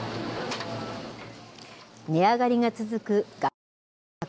値上がりが続くガソリン価格。